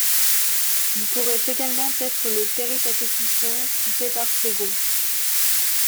Il pourrait également être le péripatéticien cité par Phlégon.